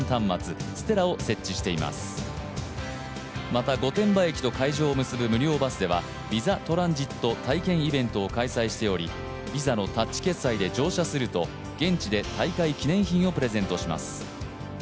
また、御殿場駅と会場を結ぶ無料バスでは、ＶｉｓａＴｒａｎｓｉｔ体験イベントを開催しており、Ｖｉｓａのタッチ決済で乗車すると現地で大会記念品をプレゼントします